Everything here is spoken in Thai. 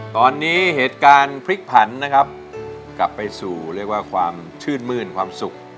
ตอนนี้เหตุการณ์พลิกผันนะครับกลับไปสู่เรียกว่าความชื่นมื้นความสุข